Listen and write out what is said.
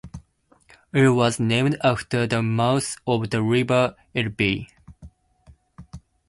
It was named after the mouth of the river Elbe.